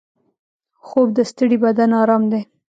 خوب د ستړي بدن ارام دی